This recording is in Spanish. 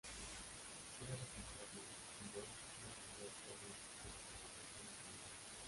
Se espera lo contrario si B tiene mayor poder de negociación en su lugar.